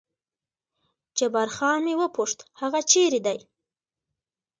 جبار خان مې وپوښت هغه چېرې دی؟